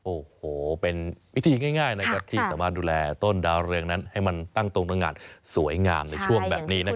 โอ้โหเป็นวิธีง่ายที่สามารถดูแลต้นดาวเรืองนั้นให้มันตั้งตรงตั้งงานสวยงามในช่วงแบบนี้